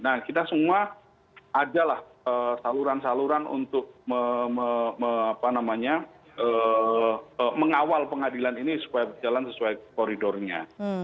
nah kita semua adalah saluran saluran untuk mengawal pengadilan ini supaya berjalan sesuai koridornya